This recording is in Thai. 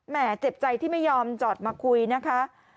เจ็บใจที่ไม่ยอมจอดมาคุยนะคะ